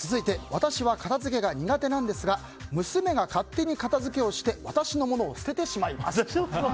私は片付けが苦手なんですが娘が勝手に片付けをして私のものを捨ててしまいます。